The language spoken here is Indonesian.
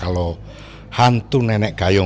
apa kita balik aja yuk